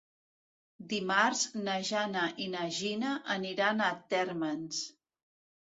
Dimarts na Jana i na Gina aniran a Térmens.